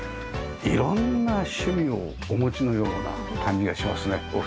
色んな趣味をお持ちのような感じがしますねお二人。